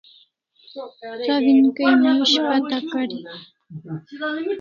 Sawin kay may ishpata kari